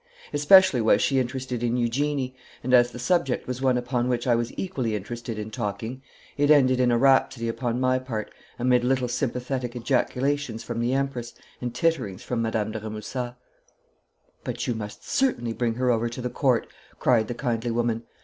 Especially was she interested in Eugenie, and as the subject was one upon which I was equally interested in talking it ended in a rhapsody upon my part, amid little sympathetic ejaculations from the Empress and titterings from Madame de Remusat. 'But you must certainly bring her over to the Court!' cried the kindly woman.